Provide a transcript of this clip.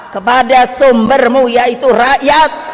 kepada sumbermu yaitu rakyat